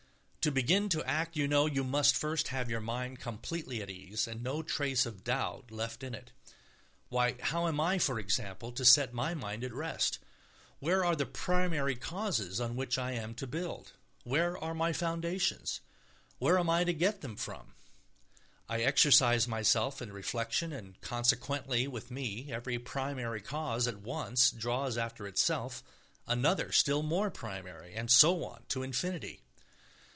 To begin to act, you know, you must first have your mind completely at ease and no trace of doubt left in it. Why, how am I, for example, to set my mind at rest? Where are the primary causes on which I am to build? Where are my foundations? Where am I to get them from? I exercise myself in reflection, and consequently with me every primary cause at once draws after itself another still more primary, and so on to infinity.